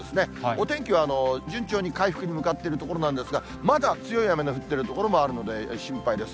お天気は順調に回復に向かっているところなんですが、まだ強い雨の降っている所もあるので、心配です。